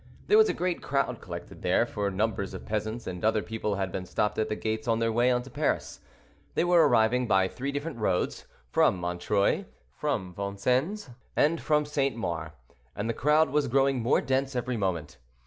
There was a great crowd collected there, for numbers of peasants and other people had been stopped at the gates on their way into Paris. They were arriving by three different roads—from Montreuil, from Vincennes, and from St. Maur; and the crowd was growing more dense every moment.